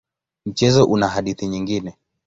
Mchezo una hadithi nyingine.